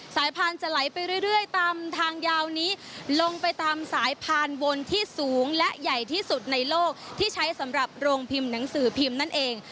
พานจะไหลไปเรื่อยตามทางยาวนี้ลงไปตามสายพานบนที่สูงและใหญ่ที่สุดในโลกที่ใช้สำหรับโรงพิมพ์หนังสือพิมพ์นั่นเอง